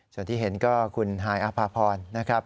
สำหรับที่เห็นก็คุณฮายอภพรนะครับ